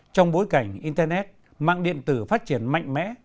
trong bối cảnh internet mạng điện tử phát triển mạnh mẽ